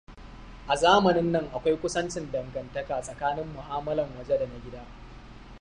A zamanin nan akwai kusancin dangantaka tsakanin mu'amalan waje da na gida.